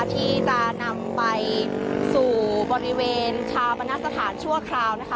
ที่จะนำไปสู่บริเวณชาปนสถานชั่วคราวนะคะ